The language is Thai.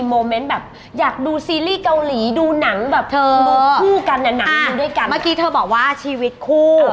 เมื่อกี้เธอบอกว่าชีวิตคู่